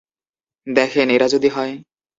দেখেন, এরা যদি হয়?